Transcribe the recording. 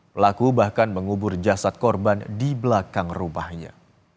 pelaku bahkan mengubur jasad korban di belakang rumahnya